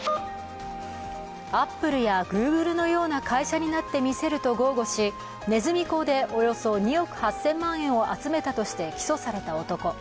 アップルやＧｏｏｇｌｅのような会社になってみせると豪語しねずみ講でおよそ２億８０００万円を集めたとして起訴された男。